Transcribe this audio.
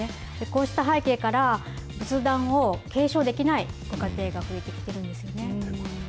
こうした背景から、仏壇を継承できないご家庭が増えてきてるんですよね。